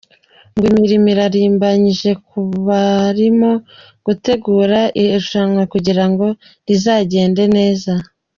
Ngo imirimoirarimbanyije kubarimo gutegura iri rushanwa kugira ngo rizagende neza.